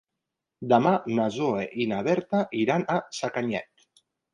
Demà na Zoè i na Berta iran a Sacanyet.